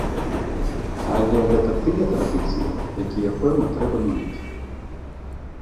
Але гэта тыя традыцыі, якія, пэўна, трэба мяняць.